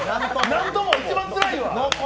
なんともが一番つらいわ！